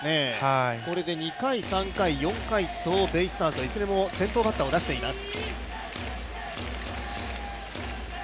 これで２回、３回、４回とベイスターズはいずれも先頭バッターを出しています。